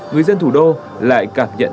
người dân thủ đô lại cảm nhận